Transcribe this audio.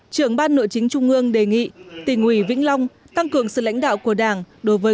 trưởng ban nội chính trung ương đề nghị tỉnh ủy vĩnh long tăng cường sự lãnh đạo của đảng đối với